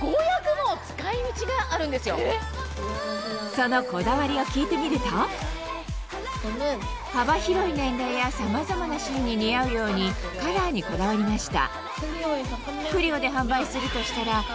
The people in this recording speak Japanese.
そのこだわりを聞いてみると幅広い年齢やさまざまなシーンに似合うようにカラーにこだわりました。